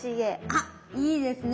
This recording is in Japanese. あいいですね